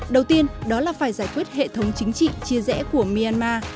đầu tiên đó là phải giải quyết hệ thống chính trị chia rẽ của myanmar